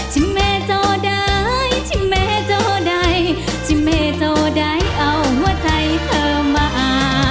ทิเมตต์โดยทิเมตต์โดยทิเมตต์โดยเอาหัวใจเธอมา